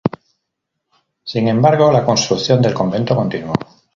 Sin embargo, la construcción del convento continuó.